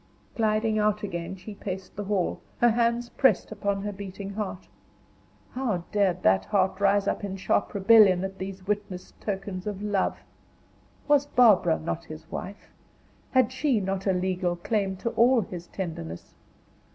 Gliding out again, she paced the hall, her hands pressed upon her beating heart. How dared that heart rise up in sharp rebellion at these witnessed tokens of love? Was Barbara not his wife? Had she not a legal claim to all his tenderness?